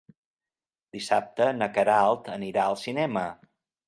Dissabte na Queralt anirà al cinema.